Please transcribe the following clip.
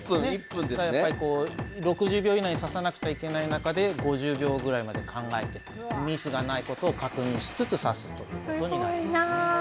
やっぱり６０秒以内に指さなくちゃいけない中で５０秒ぐらいまで考えてミスがないことを確認しつつ指すということになりますね。